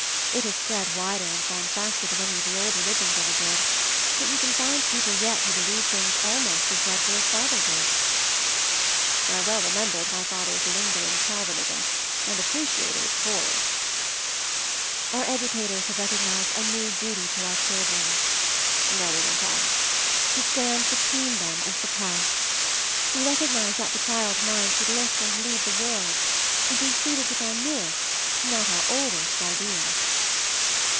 It has spread wider, and gone faster than any of the old religions ever did, but you can find people yet who believe things almost as dreadful as father did!" I well remembered my father's lingering Calvinism, and appreciated its horrors. "Our educators have recognized a new duty to children," Nellie went on; "to stand between them and the past. We recognize that the child mind should lift and lead the world; and we feed it with our newest, not our oldest ideas.